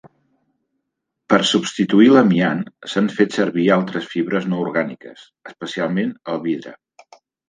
Per substituir l'amiant, s'han fet servir altres fibres no orgàniques, especialment el vidre.